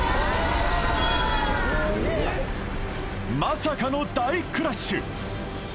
まさかの大クラッシュ